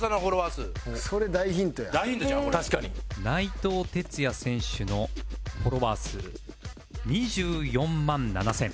内藤哲也選手のフォロワー数２４万７０００